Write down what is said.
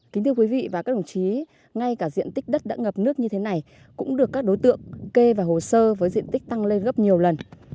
kính thưa quý vị và các đồng chí ngay cả diện tích đất đã ngập nước như thế này cũng được các đối tượng kê vào hồ sơ với diện tích tăng lên gấp nhiều lần